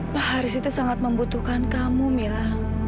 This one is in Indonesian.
pak haris itu sangat membutuhkan kamu mila